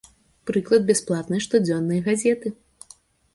Прыклад бясплатнай штодзённай газеты.